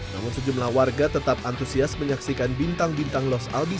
namun sejumlah warga tetap antusias menyaksikan bintang bintang los aldi